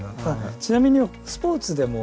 ちなみにスポーツでもですね